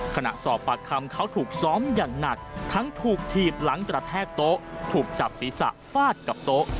ขณะสอบปากคำเขาถูกซ้อมอย่างหนักทั้งถูกถีบหลังกระแทกโต๊ะถูกจับศีรษะฟาดกับโต๊ะ